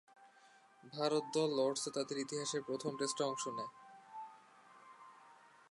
ভারত দল লর্ডসে তাদের ইতিহাসের প্রথম টেস্টে অংশ নেয়।